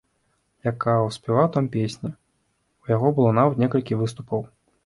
Якаў спяваў там песні, у яго было нават некалькі выступаў.